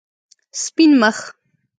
سپین مخ